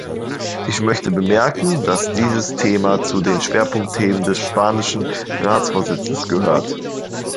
Ich möchte bemerken, dass dieses Thema zu den Schwerpunktthemen des spanischen Ratsvorsitzes gehört.